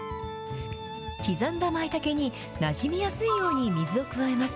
刻んだまいたけに、なじみやすいように水を加えます。